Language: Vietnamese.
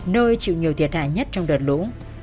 nơi chịu nhiều thiệt hại nhất trong đợt lũ